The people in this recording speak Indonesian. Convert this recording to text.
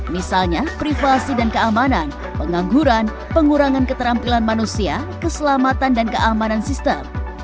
misalnya privasi dan keamanan pengangguran pengurangan keterampilan manusia keselamatan dan keamanan sistem